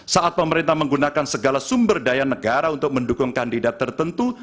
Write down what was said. saat pemerintah menggunakan segala sumber daya negara untuk mendukung kandidat tertentu